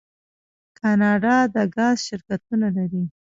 کاناډا د ګاز شرکتونه لري.